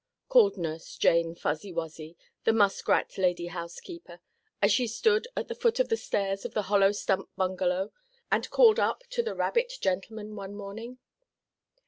called Nurse Jane Fuzzy Wuzzy, the muskrat lady housekeeper, as she stood at the foot of the stairs of the hollow stump bungalow and called up to the rabbit gentleman one morning.